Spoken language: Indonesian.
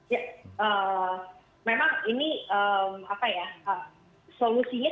ya memang ini apa ya solusinya